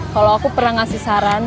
kalau aku pernah ngasih saran